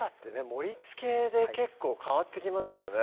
盛りつけで結構変わってきますよね